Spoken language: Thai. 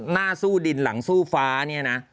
หน้าสู้ดินหลังสู้ฟ้าเนี่ยนะ